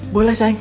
boleh sayang yuk